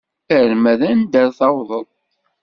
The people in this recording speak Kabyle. Arma d anda ara tawḍeḍ?